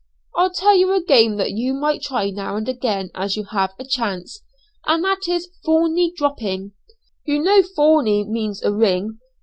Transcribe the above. I'll tell you a game that you might try now and again as you have a chance, and that is 'fawney dropping,' you know 'fawney' means a ring.